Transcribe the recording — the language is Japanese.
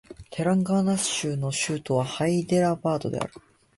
テランガーナ州の州都はハイデラバードである